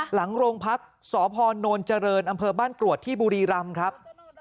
หลังโรงพักษ์สพนเจริญอำเภอบ้านกรวดที่บุรีรำครับ